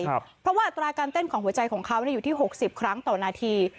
เพราะว่าอัตราการเต้นของหัวใจของเขาอยู่ที่๖๐ครั้งต่อนาที